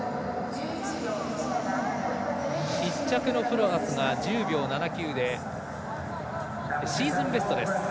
１着のフロアスが１０秒７９でシーズンベストです。